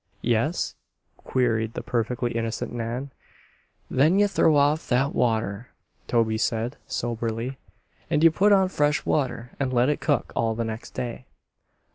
"Yes?" queried the perfectly innocent Nan. "Then ye throw off that water," Toby said, soberly, "and ye put on fresh water an' let it cook all the next day."